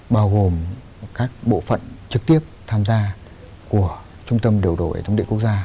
bao gồm các bộ phận trực tiếp tham gia của trung tâm điều đổi thống địa quốc gia